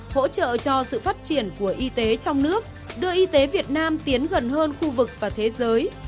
hỗ trợ cho sự phát triển của y tế trong nước đưa y tế việt nam tiến gần hơn khu vực và thế giới